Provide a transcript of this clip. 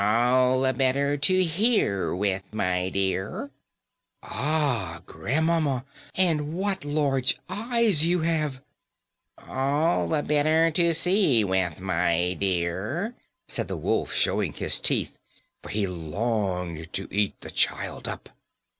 "All the better to hear with, my dear." "Ah! grandmamma, and what large eyes you have." "All the better to see with, my dear," said the wolf, showing his teeth, for he longed to eat the child up.